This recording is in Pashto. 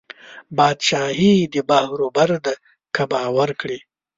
بادشاهي د بحر وبر ده که باور کړې